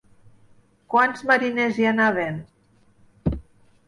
Quants mariners hi anaven?